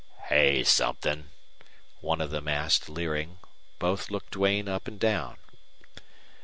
"Hey somethin'?" one of them asked, leering. Both looked Duane up and down.